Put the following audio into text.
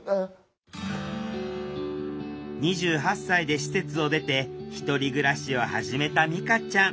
２８歳で施設を出て１人暮らしを始めたみかちゃん。